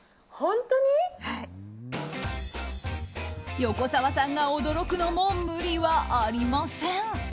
横澤さんが驚くのも無理はありません。